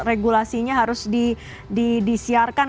regulasinya harus di siarkan